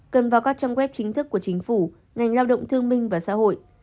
cần vào các trang web chính thức của chính phủ ngành lao động thương minh và xã hội